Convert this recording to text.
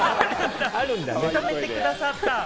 認めてくださった。